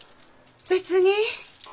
別に。